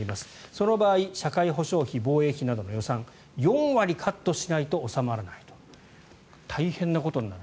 その場合社会保障費、防衛費などの予算４割カットしないと収まらないと大変なことになる。